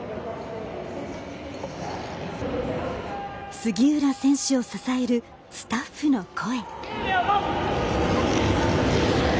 杉浦選手を支えるスタッフの声。